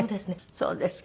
そうですね。